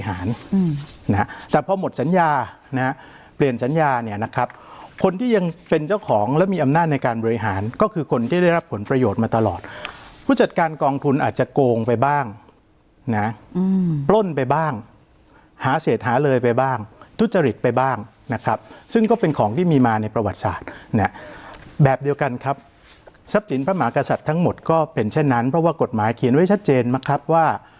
หารแล้วมีอำนาจในการบริหารก็คือคนที่ได้รับผลประโยชน์มาตลอดผู้จัดการกองทุนอาจจะโกงไปบ้างนะอืมปล้นไปบ้างหาเสร็จหาเลยไปบ้างทุจริตไปบ้างนะครับซึ่งก็เป็นของที่มีมาในประวัติศาสตร์แบบเดียวกันครับทรัพย์สินพระมหากษัตริย์ทั้งหมดก็เป็นเช่นนั้นเพราะว่ากฏหมายเขียนไว้ชัดเจนนะครับว่